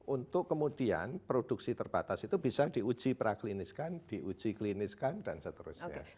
untuk kemudian produksi terbatas itu bisa diuji prakliniskan diuji kliniskan dan seterusnya